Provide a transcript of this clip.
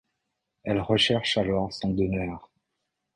Elle recherche alors son donneur.